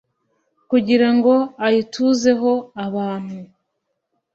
kugira ngo ayituzeho abantu